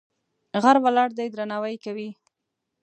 غر ولاړ دی درناوی کې.